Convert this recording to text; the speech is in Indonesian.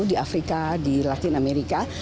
di afrika di latin amerika